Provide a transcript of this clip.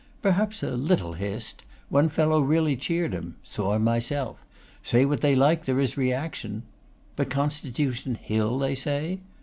Perhaps a little hissed. One fellow really cheered him. Saw him myself. Say what they like, there is reaction.' 'But Constitution Hill, they say?